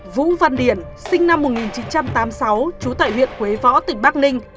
vũ văn điển sinh năm một nghìn chín trăm tám mươi sáu trú tại huyện quế võ tỉnh bắc ninh